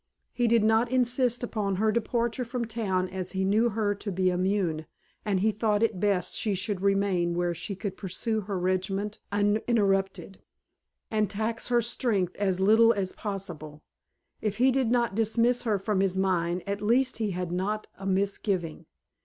He did not insist upon her departure from town as he knew her to be immune, and he thought it best she should remain where she could pursue her regimen uninterrupted; and tax her strength as little as possible. If he did not dismiss her from his mind at least he had not a misgiving.